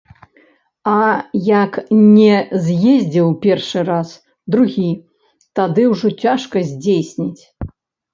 А як не з'ездзіў першы раз, другі, тады ўжо цяжка здзейсніць.